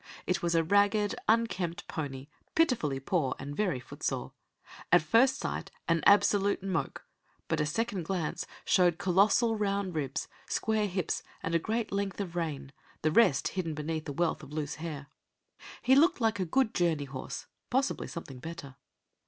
It was a ragged, unkempt pony, pitifully poor and very footsore, at first sight, an absolute "moke"; but a second glance showed colossal round ribs, square hips, and a great length of rein, the rest hidden beneath a wealth of loose hair. He looked like "a good journey horse", possibly something better.